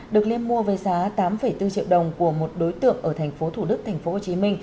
được liêm mua với giá tám bốn triệu đồng của một đối tượng ở tp thủ đức tp hcm